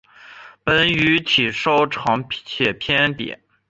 本鱼体稍长且侧扁。